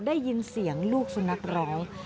ได้ยินเสียงลูกสุนัขร้อง